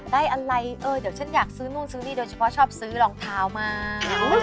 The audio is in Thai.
ได้อะไรเออเดี๋ยวฉันอยากซื้อนู่นซื้อนี่โดยเฉพาะชอบซื้อรองเท้ามา